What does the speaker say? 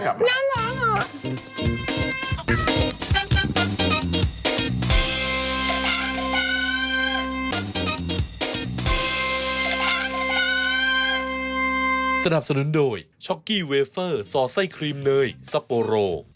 น่ารักน่ารักเหรอ